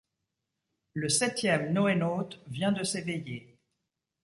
Le septième NoéNaute vient de s'éveiller.